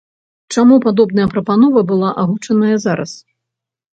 Чаму падобная прапанова была агучаная зараз?